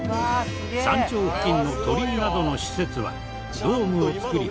山頂付近の鳥居などの施設はドームを作り